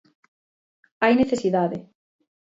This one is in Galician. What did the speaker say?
Hai necesidade.